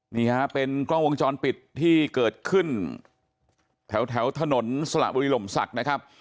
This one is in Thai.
นี่ฮะเป็นกล้องวงจรปิดที่เกิดขึ้นแถวถนนสละบุรีหล่มศักดิ์นะครับ